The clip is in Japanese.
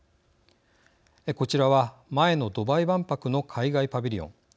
こちらは前のドバイ万博の海外パビリオン。